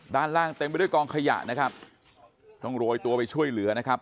ด้านล่างเต็มไปด้วยกองขยะนะครับต้องโรยตัวไปช่วยเหลือนะครับ